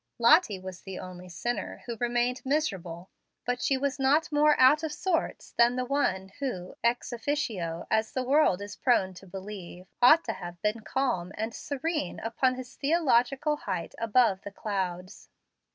Lottie was the only "sinner" who remained "miserable"; but she was not more "out of sorts" than the one who, ex officio, as the world is prone to believe, Ought to have been calm and serene upon his theological height above the clouds.